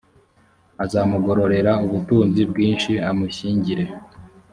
azamugororera ubutunzi bwinshi amushyingire